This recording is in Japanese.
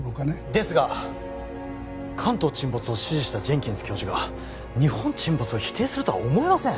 ですが関東沈没を支持したジェンキンス教授が日本沈没を否定するとは思えません